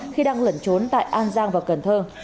khi đang lẩn trốn tại an giang và cần thơ